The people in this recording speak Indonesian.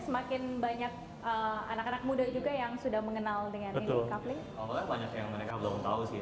semakin banyak anak anak muda juga yang sudah mengenal dengan kaveling